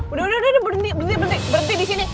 udah udah udah berhenti berhenti disini